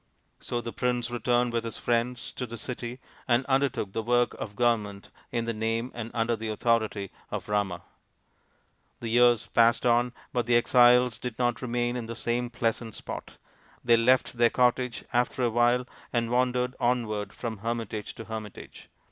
So the prince returned with his friends to the city and undertook the work of government in the name and under the authority of Rama. The years passed on, but the exiles did not remain in the same pleasant spot ; they left their cottage RAMA'S QUEST 21 after a while and wandered onward from hermitage to hermitage.